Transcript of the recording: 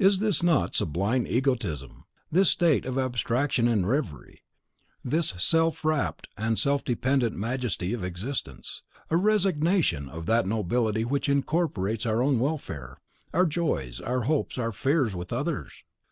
Is not this sublime egotism, this state of abstraction and reverie, this self wrapped and self dependent majesty of existence, a resignation of that nobility which incorporates our own welfare, our joys, our hopes, our fears with others?